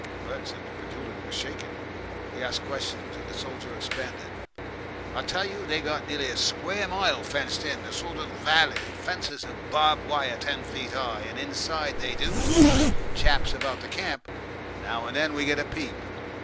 Bert's incredulity was shaken. He asked questions and the soldier expanded. "I tell you they got nearly a square mile fenced in a sort of valley. Fences of barbed wire ten feet high, and inside that they do things. Chaps about the camp now and then we get a peep.